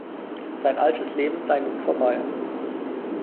Sein altes Leben sei nun vorbei.